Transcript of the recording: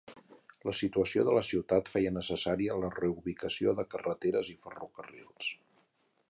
La situació de la ciutat feia necessària la reubicació de carreteres i ferrocarrils.